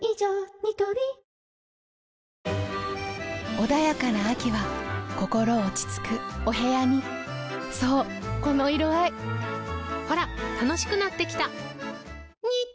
ニトリ穏やかな秋は心落ち着くお部屋にそうこの色合いほら楽しくなってきた！